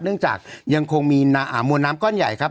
เนื่องจากยังคงมีมวลน้ำก้อนใหญ่ครับ